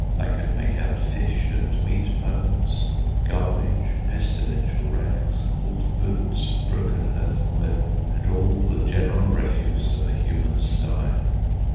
I could make out fish and meat bones, garbage, pestilential rags, old boots, broken earthenware, and all the general refuse of a human sty.